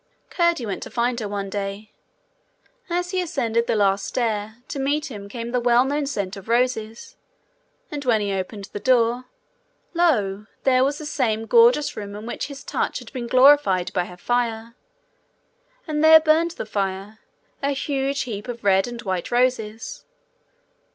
Curdie went to find her one day. As he ascended the last stair, to meet him came the well known scent of her roses; and when he opened the door, lo! there was the same gorgeous room in which his touch had been glorified by her fire! And there burned the fire a huge heap of red and white roses.